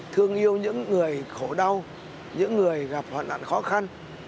thương yêu những người khổ đau những người gặp hoạn nạn khó khăn